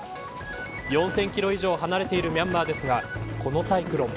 ４０００キロ以上離れているミャンマーですがこのサイクロン